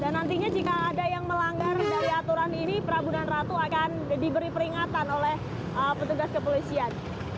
dan nantinya jika ada yang melanggar dari aturan ini perabunan ratu akan diberi peringatan oleh petugas kepolisian